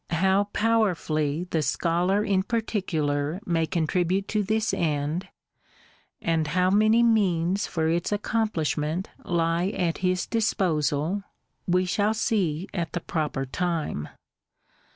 How powerfully the Scholar in particular may con tribute to this end, and how many means for its accomplish ment lie at his disposal, we shall see at the proper time.